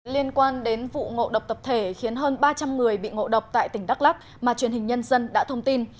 liên quan đến vụ ngộ độc tập thể khiến hơn ba trăm linh người bị ngộ độc tại tỉnh đắk lắc mà truyền hình nhân dân đã thông tin